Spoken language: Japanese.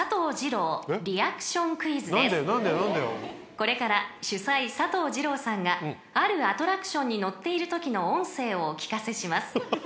［これから主宰佐藤二朗さんがあるアトラクションに乗っているときの音声をお聞かせします］